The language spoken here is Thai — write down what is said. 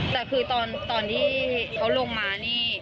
แต่คือตอนที่เขาลงมานี่